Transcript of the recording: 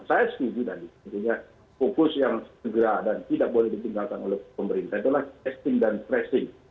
saya setuju tadi fokus yang segera dan tidak boleh ditinggalkan oleh pemerintah itulah testing dan tracing